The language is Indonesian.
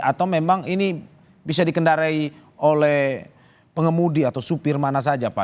atau memang ini bisa dikendarai oleh pengemudi atau supir mana saja pak